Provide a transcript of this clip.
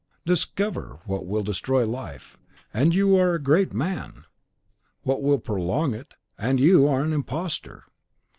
Discover what will destroy life, and you are a great man! what will prolong it, and you are an imposter!